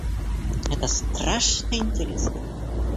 Это страшно интересно!